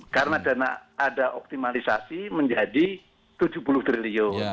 karena dana ada optimalisasi menjadi rp tujuh puluh triliun